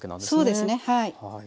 そうですねはい。